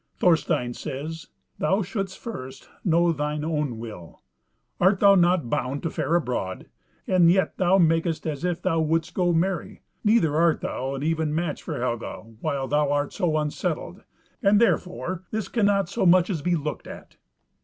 Thorstein says, "Thou shouldst first know thine own will. Art thou not bound to fare abroad? and yet thou makest as if thou wouldst go marry. Neither art thou an even match for Helga while thou art so unsettled, and therefore this cannot so much as be looked at."